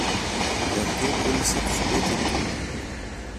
γιατί πούλησε το σπίτι του